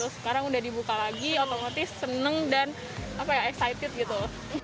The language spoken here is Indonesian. sekarang udah dibuka lagi otomatis seneng dan excited gitu